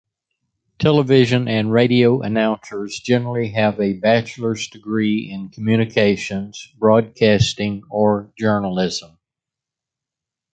Television and radio announcers generally have a bachelor's degree in communications, broadcasting, or journalism.